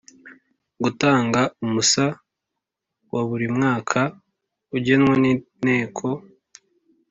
Gutanga umusa waburi mwaka ugenwa n inteko